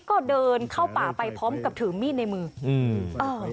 ก็เดินเข้าป่าไปพร้อมกับถือมีดในมืออืมเออ